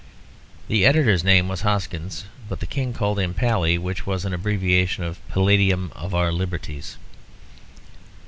The Editor's name was Hoskins, but the King called him Pally, which was an abbreviation of Paladium of our Liberties.